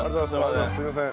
すいません。